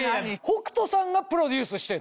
北斗さんがプロデュースしてんの？